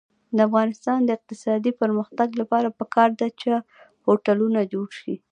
د افغانستان د اقتصادي پرمختګ لپاره پکار ده چې هوټلونه جوړ شي.